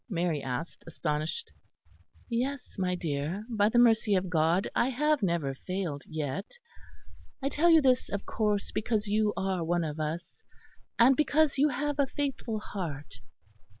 Mary asked astonished. "Yes, my dear; by the mercy of God I have never failed yet. I tell you this of course because you are one of us, and because you have a faithful heart."